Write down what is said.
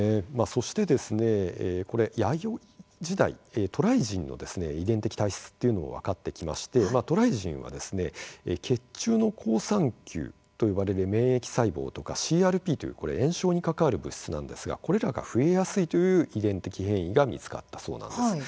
そして、これ、弥生時代渡来人の遺伝的体質というのも分かってきまして渡来人は、血液中の好酸球と呼ばれる免疫細胞とか「ＣＲＰ」という、これ炎症に関わる物質なんですがこれらが増えやすいという遺伝的変異が見つかったそうなんです。